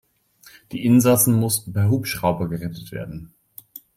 Die Insassen mussten per Hubschrauber gerettet werden.